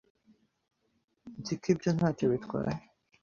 Nzi ko ibyo ntacyo bitwaye.